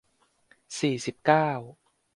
สี่สิบเก้า